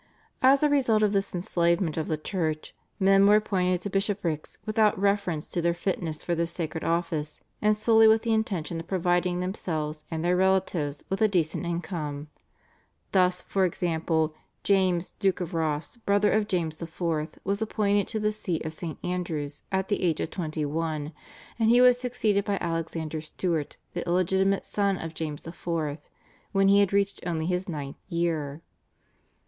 As a result of this enslavement of the Church, men were appointed to bishoprics without reference to their fitness for this sacred office, and solely with the intention of providing themselves and their relatives with a decent income. Thus for example, James, Duke of Ross, brother of James IV., was appointed to the See of St. Andrew's at the age of twenty one, and he was succeeded by Alexander Stuart, the illegitimate son of James IV., when he had reached only his ninth year.